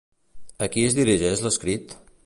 A qui es dirigeix l'escrit?